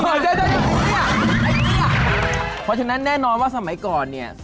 เพราะฉะนั้นแน่นอนว่าสมัยก่อนเนี่ย